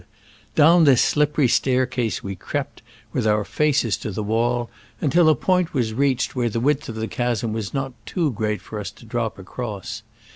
Down this slippery stair case we crept, with our faces to the wall, until a point was reached where the width of the chasm was not too great for us to drop across.